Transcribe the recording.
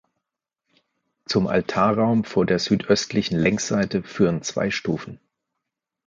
Zum Altarraum vor der südöstlichen Längsseite führen zwei Stufen.